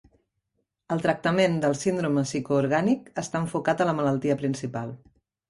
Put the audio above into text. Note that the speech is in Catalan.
El tractament del síndrome psicoorgànic està enfocat a la malaltia principal.